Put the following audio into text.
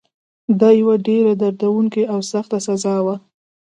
دا یوه ډېره دردونکې او سخته سزا وه.